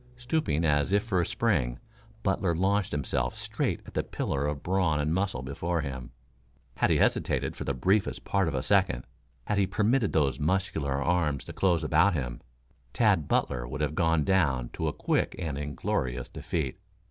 Stooping as if for a spring, Butler launched himself straight at the pillar of brawn and muscle before him. Had he hesitated for the briefest part of a second had he permitted those muscular arms to close about him, Tad Butler would have gone down to a quick and inglorious defeat.